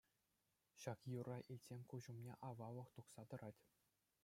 Ҫак юрра илтсен куҫ умне аваллӑх тухса тӑрать.